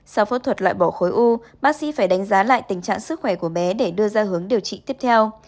sau phẫu thuật loại bỏ khối u bác sĩ phải đánh giá lại tình trạng sức khỏe của bé để đưa ra hướng điều trị tiếp theo